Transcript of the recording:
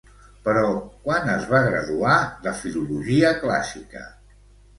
Però quan es va graduar de Filologia Clàssica?